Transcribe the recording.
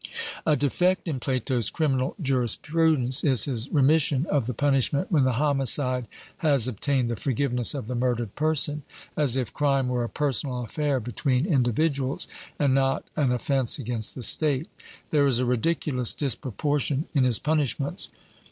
A defect in Plato's criminal jurisprudence is his remission of the punishment when the homicide has obtained the forgiveness of the murdered person; as if crime were a personal affair between individuals, and not an offence against the State. There is a ridiculous disproportion in his punishments.